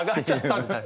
みたいな。